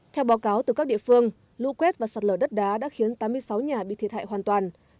theo báo cáo từ các địa phương lũ quét và sạt lở đất đá đã khiến tám mươi sáu nhà bị thiệt hại hoàn toàn